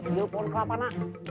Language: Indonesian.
telepon kelapa nak